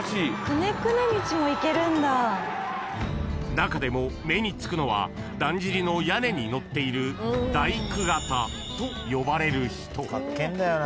［中でも目につくのはだんじりの屋根に乗っている大工方と呼ばれる人］